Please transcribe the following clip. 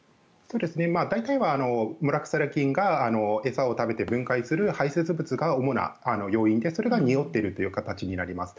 大体はモラクセラ菌が餌を食べて分解する排せつ物が主な要因で、それがにおっているという形になります。